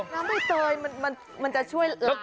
น้ำใบเตยมันจะช่วยล้างโขม